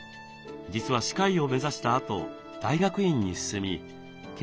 実は歯科医を目指したあと大学院に進み研究所にも勤務します。